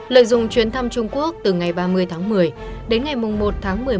lợi dụng chuyến thăm trung quốc từ ngày ba mươi tháng một mươi đến ngày một tháng một mươi một